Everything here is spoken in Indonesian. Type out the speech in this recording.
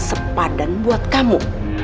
sepadan buat kamu